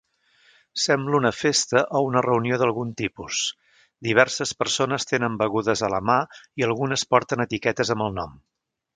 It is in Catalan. Sembla una festa o una reunió d'algun tipus, diverses persones tenen begudes a la mà i algunes porten etiquetes amb el nom